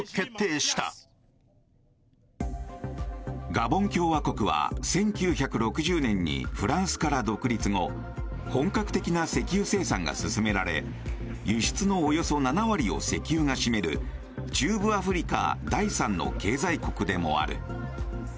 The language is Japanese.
ガボン共和国は１９６０年にフランスから独立後本格的な石油生産が進められ輸出のおよそ７割を石油が占める中部アフリカ第３の経済国でもある。